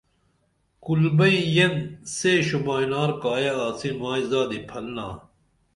کُل بئیں یین سے شوبائنار کایہ آڅی مائی زادی پھلنا